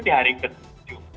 di hari ke tujuh